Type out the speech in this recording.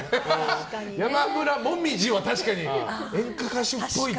山村紅葉は確かに演歌歌手っぽい。